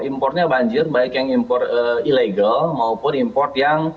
impornya banjir baik yang impor ilegal maupun import yang